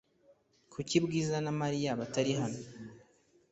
Kuki Bwiza na Mariya batari hano?